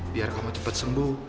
biar kamu cepet sembuh